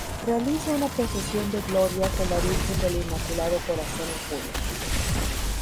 Realiza una procesión de gloria con la Virgen del Inmaculado Corazón en junio.